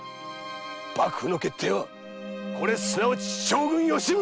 幕府の決定はこれすなわち将軍・吉宗の決定だ！